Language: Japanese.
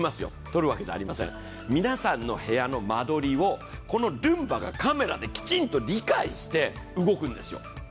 撮るわけじゃありません、皆さんの部屋の間取りをこのルンバがカメラできちんと理解して動くんですよ。